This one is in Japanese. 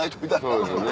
そうですよね。